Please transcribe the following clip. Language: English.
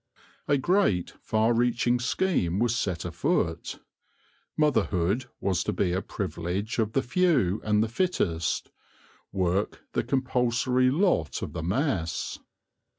A great, far reaching scheme was set afoot. Motherhood was to be a privilege of the few and the fittest ; work the compulsory lot of the mass.